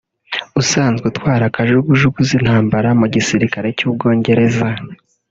usanzwe utwara kajugujugu z’intambara mu gisirikare cy’u Bwongereza